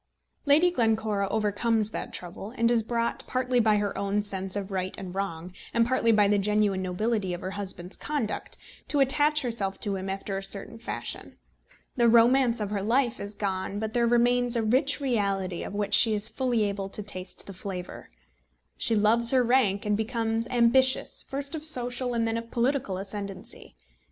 Lady Glencora overcomes that trouble, and is brought, partly by her own sense of right and wrong, and partly by the genuine nobility of her husband's conduct, to attach herself to him after a certain fashion. The romance of her life is gone, but there remains a rich reality of which she is fully able to taste the flavour. She loves her rank and becomes ambitious, first of social, and then of political ascendancy.